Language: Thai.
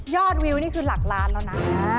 วิวนี่คือหลักล้านแล้วนะ